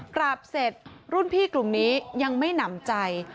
กราบเสร็จรุ่นพี่กลุ่มนี้ยังไม่หนำใจ